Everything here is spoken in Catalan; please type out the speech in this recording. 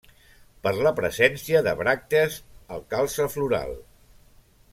Per la presència de bràctees al calze floral.